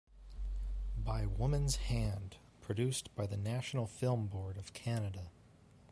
"By Woman's Hand", produced by the National Film Board of Canada.